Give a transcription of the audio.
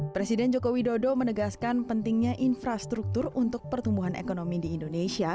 presiden joko widodo menegaskan pentingnya infrastruktur untuk pertumbuhan ekonomi di indonesia